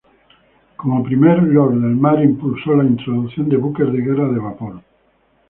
Como primer Lord del Mar impulsó la introducción de buques de guerra de vapor.